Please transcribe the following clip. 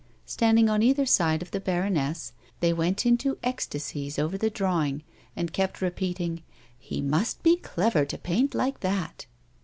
Standing on eitherside of the baroness, they went into ecstasies over the drawing and kept repeating :" He must be clever to paint like that."